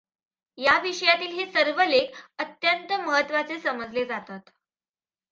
या विषयातील हे सर्व लेख अत्यंत महत्त्वाचे समजले जातात.